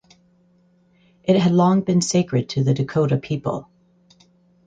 It had long been sacred to the Dakota people.